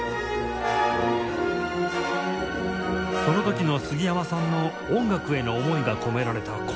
その時のすぎやまさんの音楽への思いが込められた